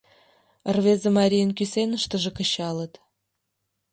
Рвезе марийын кӱсеныштыже кычалыт.